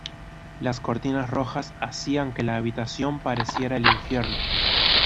Las cortinas rojas hacían que la habitación pareciera el infierno.